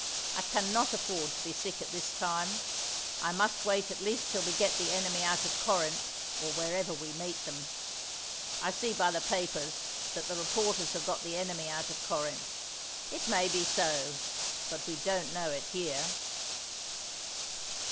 I cannot afford to be sick at this time; I must wait at least till we get the enemy out of Corinth or wherever we meet them. I see by the papers that the reporters have got the enemy out of Corinth. It may be so, but we don't know it here."